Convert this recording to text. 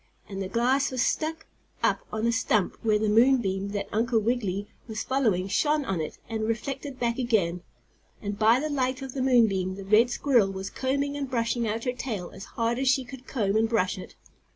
And the glass was stuck up on a stump where the moon beam that Uncle Wiggily was following shone on it and reflected back again. And by the light of the moon beam the red squirrel was combing and brushing out her tail as hard as she could comb and brush it.